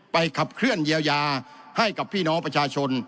ขับเคลื่อนเยียวยาให้กับพี่น้องประชาชน